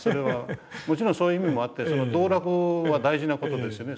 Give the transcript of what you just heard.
もちろんそういう意味もあってその道楽は大事な事ですよね。